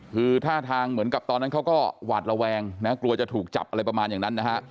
คือท่าทางเหมือนกับตอนนั้นเขาก็หวาดระแวงนะกลัวจะถูกจับอะไรประมาณอย่างนั้นนะฮะ